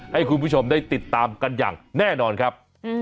ให้คุณผู้ชมได้ติดตามกันอย่างแน่นอนครับ